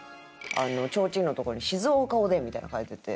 提灯のとこに「静岡おでん」みたいなの書いてて。